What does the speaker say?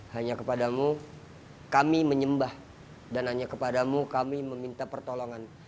hanya kepadamu kami menyembah dan hanya kepadamu kami meminta pertolongan